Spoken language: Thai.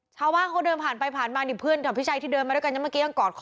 ช้าว่างเขาเดินผ่านไปผ่านมาเนี่ยเพื่อนของพิชัยที่เดินมาด้วยกัน